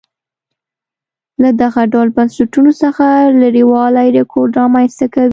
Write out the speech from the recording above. له دغه ډول بنسټونو څخه لرېوالی رکود رامنځته کوي.